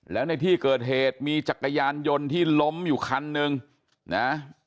แล้วในที่เกิดเหตุมีจักรยานยนต์ที่ล้มอยู่คันหนึ่งนะ